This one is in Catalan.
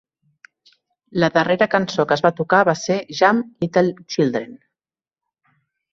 La darrera cançó que es va tocar va ser "Jump, Little Children".